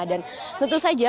dan tentu saja